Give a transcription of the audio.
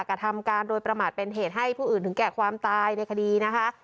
กระทำการโดยประมาทเป็นเหตุให้ผู้อื่นถึงแก่ความตายในคดีนะคะ